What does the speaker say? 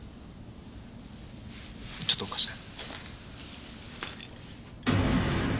ちょっと貸して。